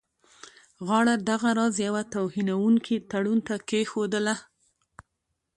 غاړه دغه راز یوه توهینونکي تړون ته کښېښودله.